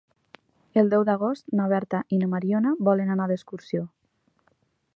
El deu d'agost na Berta i na Mariona volen anar d'excursió.